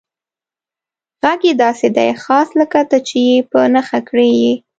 غږ یې داسې دی، خاص لکه ته چې یې په نښه کړی یې.